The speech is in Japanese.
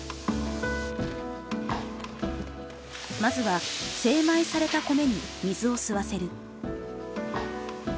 まずは精米された米に水を吸わせる。